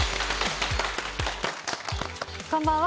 こんばんは。